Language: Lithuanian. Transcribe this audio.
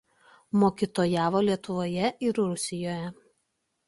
Mokytojavo Lietuvoje ir Rusijoje.